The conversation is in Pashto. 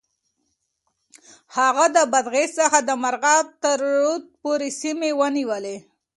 هغه د بادغيس څخه د مرغاب تر رود پورې سيمې ونيولې.